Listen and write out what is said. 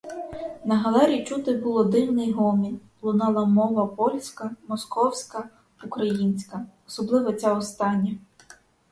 На галері чути було дивний гомін: лунала мова польська, московська, українська, особливо ця остання.